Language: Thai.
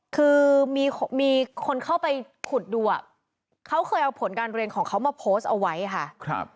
คือมีคนเข้าไปขุดดูเขาเคยเอาผลการเรียนของเขามาโพสต์เอาไว้ค่ะ